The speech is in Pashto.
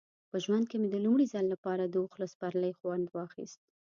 په ژوند کې مې د لومړي ځل لپاره د اوښ له سپرلۍ خوند واخیست.